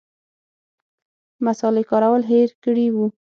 مصالې کارول هېر کړي وو.